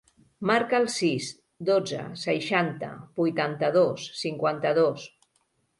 Marca el sis, dotze, seixanta, vuitanta-dos, cinquanta-dos.